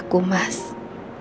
aku sudah menghancurkan hati kamu